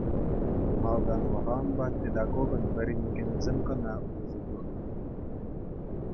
Малтанлӑха унпа педагогӑн вӗренекенӗсем кӑна усӑ курнӑ.